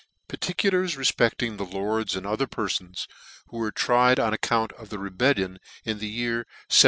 Particulars refpecting the LORDS and other Perfons who were tried on account of the Rebellion in the year 1/15.